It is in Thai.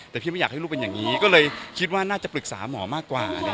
แต่พี่ไม่อยากให้ลูกเป็นอย่างนี้ก็เลยคิดว่าน่าจะปรึกษาหมอมากกว่า